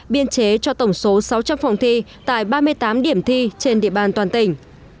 biên chế cho tổng số sáu trăm linh phòng thi tại ba mươi tám điểm thi trên địa bàn toàn tỉnh